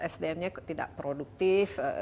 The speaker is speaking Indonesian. sdm nya tidak produktif